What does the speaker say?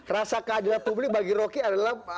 rasa keadilan publik bagi rocky adalah